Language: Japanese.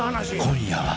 ［今夜は］